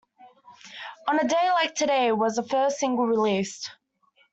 "On a Day Like Today" was the first single released.